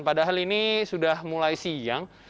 padahal ini sudah mulai siang